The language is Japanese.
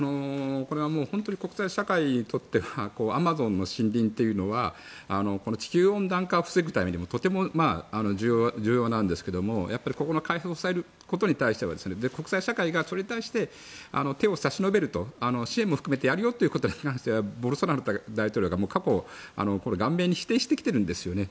本当に国際社会にとってはアマゾンの森林というのは地球温暖化を防ぐためにもとても重要なんですけれどもやっぱり、ここの開発を抑えることに対しては国際社会がこれに対して手を差し伸べると支援も含めてやるよということに関してはボルソナロ大統領が過去、頑迷に否定してきているんですよね。